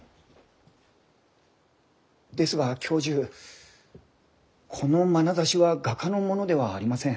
ですが教授このまなざしは画家のものではありません。